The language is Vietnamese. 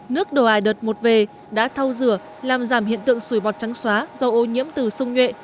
nước đổ ải đợt một về đã thau rửa làm giảm hiện tượng sủi bọt trắng xóa do ô nhiễm từ sông nhuệ